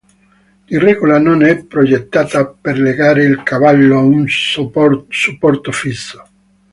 Di regola non è progettata per legare il cavallo a un supporto fisso.